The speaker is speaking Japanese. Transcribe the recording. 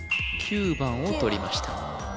９番をとりました